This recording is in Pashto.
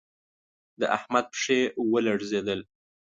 د احمد پښې و لړزېدل